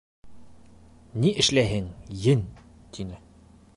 — Ни эшләйһең, ен! — тине.